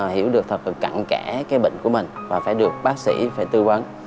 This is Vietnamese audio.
hiểu được thật là cận kẽ cái bệnh của mình và phải được bác sĩ phải tư vấn